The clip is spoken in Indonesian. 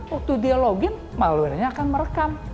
waktu dia login malwarenya akan merekam